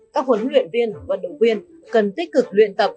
các huấn luyện viên vận động viên cần tích cực luyện tập